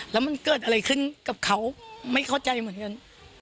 แล้วมันเกิดอะไรขึ้นกับเขาไม่เข้าใจเหมือนกัน